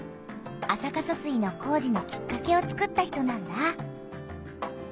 安積疏水の工事のきっかけをつくった人なんだ。